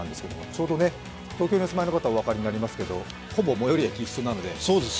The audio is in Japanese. ちょうど東京にお住まいの方はお分かりになりますけどほぼ最寄り駅一緒なので。